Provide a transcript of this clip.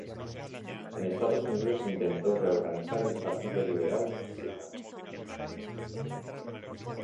En Estados Unidos intentó reorganizar el Partido Liberal Mexicano.